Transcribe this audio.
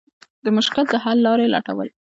د مشکل د حل لارې لټول.